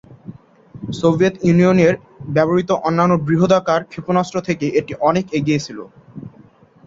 Soviet ইউনিয়নের ব্যবহৃত অন্যান্য বৃহদাকার ক্ষেপণাস্ত্র থেকে এটি অনেক এগিয়ে ছিল।